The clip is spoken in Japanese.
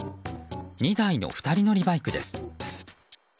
２台の２人乗りバイクです。